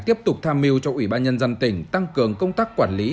tiếp tục tham mưu cho ủy ban nhân dân tỉnh tăng cường công tác quản lý